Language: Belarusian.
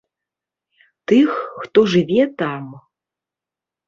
Тых, хто жыве там.